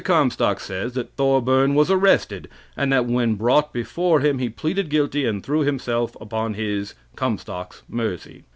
Comstock says that Thorburn was arrested, and that when brought before him he pleaded guilty and threw himself upon his (Comstock's) mercy.